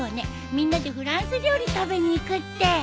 みんなでフランス料理食べに行くって！